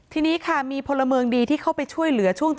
ทีนี้ค่ะมีพลเมืองดีที่เข้าไปช่วยเหลือช่วง